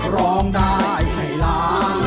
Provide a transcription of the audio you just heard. ร้องได้ให้ล้าน